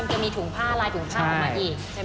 ก็มีถุงผ้าลายถุงผ้าออกมาอีก